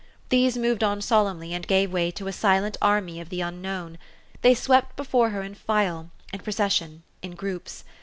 These moved on solemnly, and gave way to a sQcnt army of the unknown. They swept before her in file, in procession, in groups.